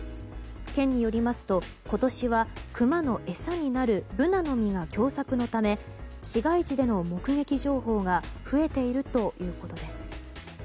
県によりますと今年はクマの餌になるブナの実が凶作のため市街地での目撃情報が増えているということです。